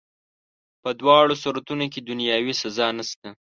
په دواړو صورتونو کي دنیاوي سزا نسته.